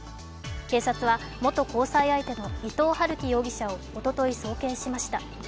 警察は、元交際相手の伊藤龍稀容疑者をおととい送検しました。